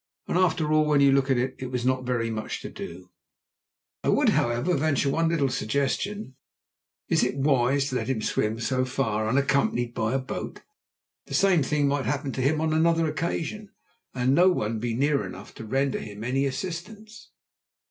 And after all, when you look at it, it was not very much to do. I would, however, venture one little suggestion. Is it wise to let him swim so far unaccompanied by a boat? The same thing might happen to him on another occasion, and no one be near enough to render him any assistance."